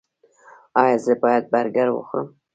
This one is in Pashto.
ایا زه باید برګر وخورم؟